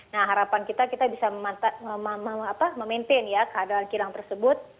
nah harapan kita bisa memaintain ya kehandalan kilang tersebut